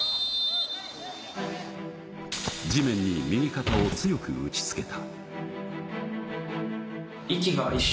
地面に右肩を強く打ち付けた。